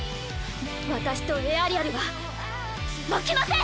私とエアリアルは負けません！